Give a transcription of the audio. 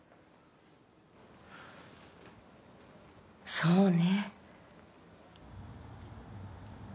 そうね。